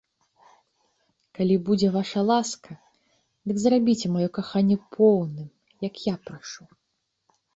Калі будзе ваша ласка, дык зрабіце маё каханне поўным, як я прашу.